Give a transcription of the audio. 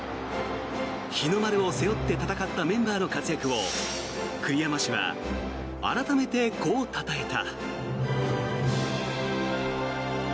日の丸を背負って戦ったメンバーの活躍を栗山氏は改めてこうたたえた。